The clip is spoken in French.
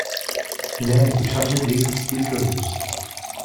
L'air était chargé d'électricité furieuse.